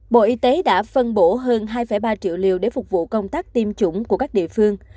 bộ y tế đã phân bổ hơn hai ba triệu liều để phục vụ công tác tiêm chủng của các địa phương